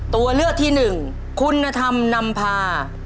ตัวเลือกที่หนึ่งคุณธรรมนำพา